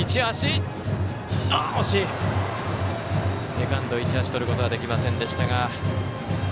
セカンド、市橋とることはできませんでした。